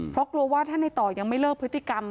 เพราะกลัวว่าถ้าในต่อยังไม่เลิกพฤติกรรม